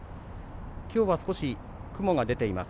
きょうは少し雲が出ています。